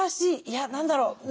いや何だろう。